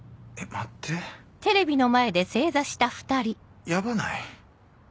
待ってヤバない？